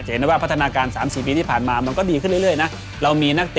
เห็นได้ว่าพัฒนาการ๓๔ปีที่ผ่านมามันก็ดีขึ้นเรื่อยนะ